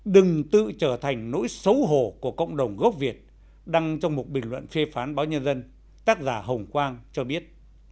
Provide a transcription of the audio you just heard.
đừng tự trở thành nỗi xấu hổ của cộng đồng gốc việt đăng trong một bình luận phê phán báo nhân dân tác giả hồng quang cho biết